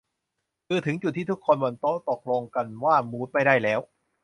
คือถึงจุดที่คนบนโต๊ะทุกคนตกลงกันว่า มู้ดไม่ได้แล้ว